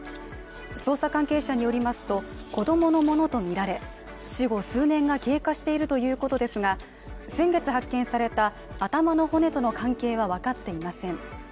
捜査関係者によりますと、子供のものとみられ、死後数年が経過しているということですが、先月発見された頭の骨との関係は分かっていません。